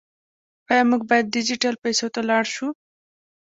آیا موږ باید ډیجیټل پیسو ته لاړ شو؟